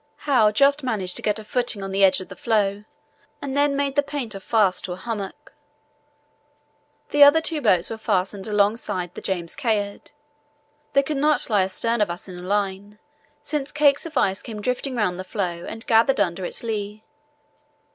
Howe just managed to get a footing on the edge of the floe, and then made the painter fast to a hummock. The other two boats were fastened alongside the James Caird. They could not lie astern of us in a line, since cakes of ice came drifting round the floe and gathering under its lee.